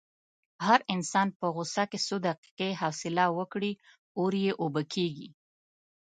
هر انسان که په غوسه کې څو دقیقې حوصله وکړي، اور یې اوبه کېږي.